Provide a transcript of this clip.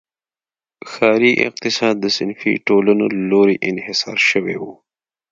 ښاري اقتصاد د صنفي ټولنو له لوري انحصار شوی و.